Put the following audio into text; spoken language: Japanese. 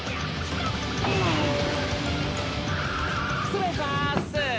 失礼します。